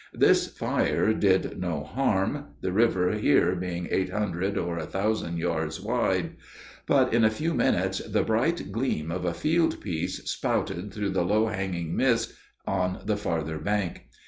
This fire did no harm, the river here being eight hundred or a thousand yards wide. But in a few minutes the bright gleam of a field piece spouted through the low hanging mist on the farther bank.